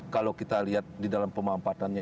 kalau kita lihat di dalam pemampatannya